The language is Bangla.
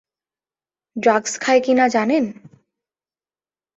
ড্রাগস খায় কি না জানেন?